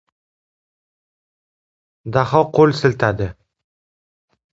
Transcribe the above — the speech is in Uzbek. Daho qo‘l siltadi.